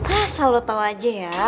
asal lo tau aja ya